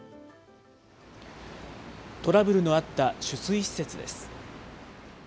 トラブルのあった取水施設です。